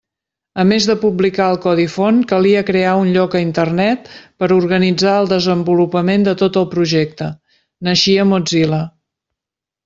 A més de publicar el codi font calia crear un lloc a Internet per organitzar el desenvolupament de tot el projecte: naixia Mozilla.